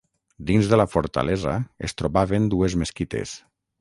Dins de la fortalesa es trobaven dues mesquites.